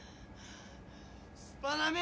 スパナめ！